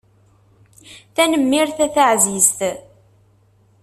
Tanemmirt a taɛzizt.